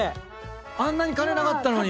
あんなに金なかったのに。